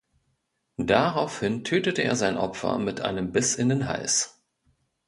Daraufhin tötete er sein Opfer mit einem Biss in den Hals.